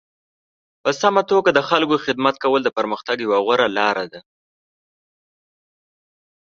په سمه توګه د خلکو خدمت کول د پرمختګ یوه غوره لاره ده.